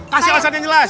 kasih alasan yang jelas